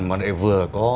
mà để vừa có